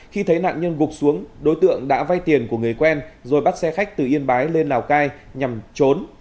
khi thấy nạn nhân gục xuống đối tượng đã vay tiền của người quen rồi bắt xe khách từ yên bái lên lào cai nhằm trốn